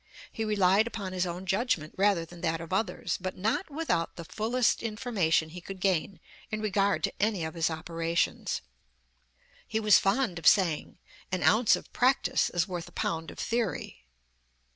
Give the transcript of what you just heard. He relied upon his own judgment rather than that of others, but not without the fullest information he could gain in regard to any of his operations. He was fond of saying: "An ounce of practice is worth a pound of theory."